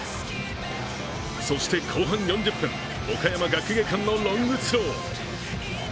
そして後半４０分、岡山学芸館のロングスロー。